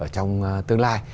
trong tương lai